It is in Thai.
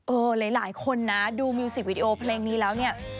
หลายคนนะดูมิวสิกวิดีโอเพลงนี้แล้วเนี่ย